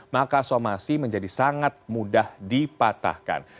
maka somasi menjadi sangat mudah dipatahkan